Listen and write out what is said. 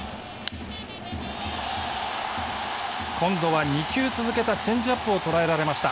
今度は２球続けたチェンジアップを捉えられました。